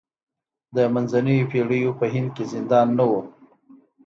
د منځنیو پېړیو په هند کې زندان نه و.